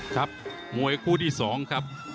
ครับมวยคู่ที่๒ครับ